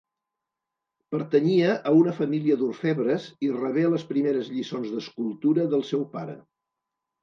Pertanyia a una família d'orfebres i rebé les primeres lliçons d'escultura del seu pare.